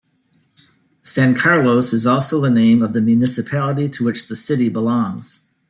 San Carlos is also the name of the municipality to which the city belongs.